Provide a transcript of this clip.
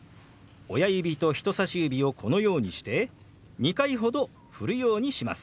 親指と人さし指をこのようにして２回ほどふるようにします。